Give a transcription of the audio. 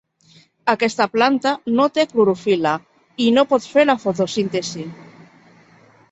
Aquesta planta no té clorofil·la i no pot fer la fotosíntesi.